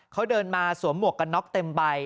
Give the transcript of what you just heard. เขาเดินมาสวมหมวกกันน็อกเต็มใบ